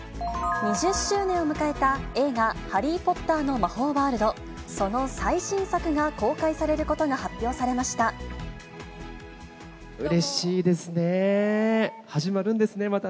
２０周年を迎えた映画、ハリー・ポッターの魔法ワールド、その最新作が公開されることが発表されました。